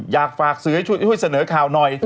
อยากฝากสื่อให้ช่วยเสนอข่าวหน่อย